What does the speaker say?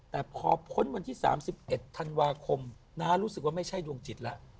แต่พอพ้นวันที่๓๑ธันวาคมน้ารู้สึกว่าไม่ใช่ดวงจิตแล้ว